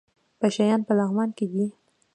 پشه یان په لغمان کې دي؟